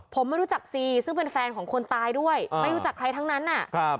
ผมไม่รู้จักซีซึ่งเป็นแฟนของคนตายด้วยไม่รู้จักใครทั้งนั้นอ่ะครับ